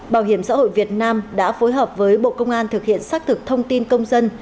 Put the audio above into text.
bảo hiểm xã hội việt nam đã phối hợp với bộ công an thực hiện xác thực thông tin công dân